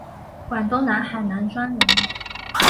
广东南海南庄人。